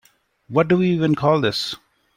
What do we even call this?